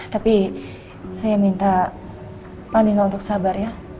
tapi saya minta pak andika untuk sabar ya